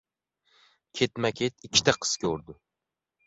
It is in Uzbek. Ketma-ket ikkita qiz ko‘rdi.